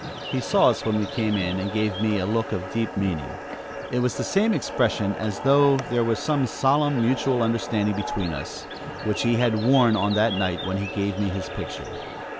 He saw us when we came in, and gave me a look of deep meaning. It was the same expression as though there was some solemn, mutual understanding between us which he had worn on that night when he gave me his picture.